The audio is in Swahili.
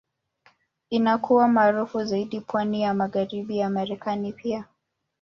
Inakuwa maarufu zaidi pwani ya Magharibi ya Marekani pia.